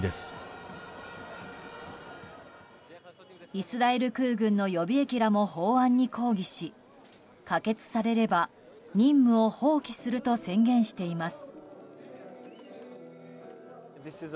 イスラエル空軍の予備役らも法案に抗議し可決されれば任務を放棄すると宣言しています。